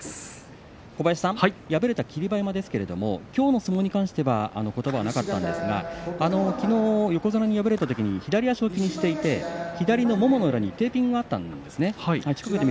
敗れた霧馬山ですけれどもきょうの相撲に関してはことばはなかったんですがきのう横綱に敗れたときに左足を気にしていて左のももの裏にテーピングがあったんですね。